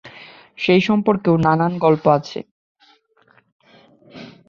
সেই সম্পর্কেও নানান গল্প আছে।